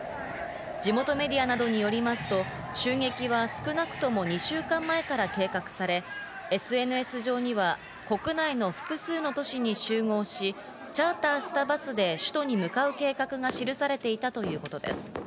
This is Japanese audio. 地元メディアなどによりますと襲撃は少なくとも２週間前から計画され、ＳＮＳ上には国内の複数の都市に集合し、チャーターしたバスで首都に向かう計画が記されていたということです。